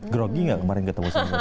grogi tidak kemarin ketemu saya